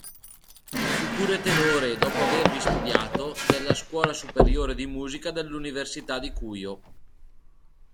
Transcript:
Fu pure tenore, dopo avervi studiato, della Scuola Superiore di Musica dell'Università di Cuyo.